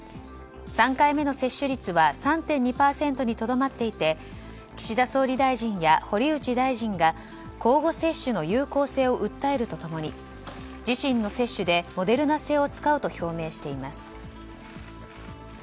３回目の接種率は３．２％にとどまっていて岸田総理大臣や堀内大臣が交互接種の有効性を訴えると共に自身の接種で、モデルナ製を使うと表明しています。